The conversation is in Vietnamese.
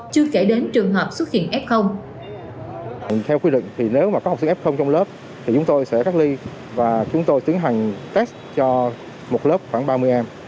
nếu mà có học sinh f trong lớp thì chúng tôi sẽ cắt ly và chúng tôi tiến hành test cho một lớp khoảng ba mươi em